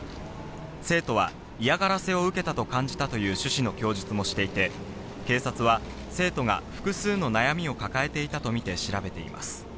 生徒は、嫌がらせを受けたと感じたという趣旨の供述もしていて、警察は生徒が複数の悩みを抱えていたとみて調べています。